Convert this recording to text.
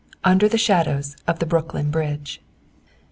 UNDER THE SHADOWS OF THE BROOKLYN BRIDGE.